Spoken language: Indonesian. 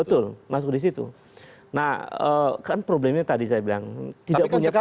betul masuk di situ nah kan problemnya tadi saya bilang tidak punya kapasitas